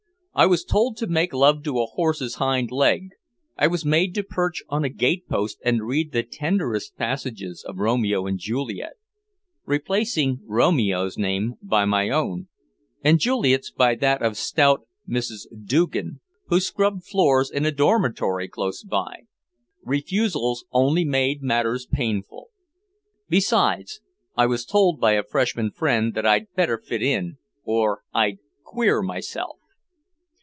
I was told to make love to a horse's hind leg, I was made to perch on a gatepost and read the tenderest passages of "Romeo and Juliet," replacing Romeo's name by my own, and Juliet's by that of stout Mrs. Doogan, who scrubbed floors in a dormitory close by. Refusals only made matters painful. Besides, I was told by a freshman friend that I'd better fit in or I'd "queer" myself.